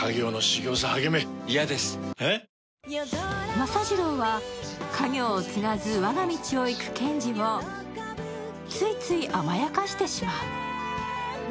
政次郎は家業を継がず、我が道を行く賢治をついつい甘やかしてしまう。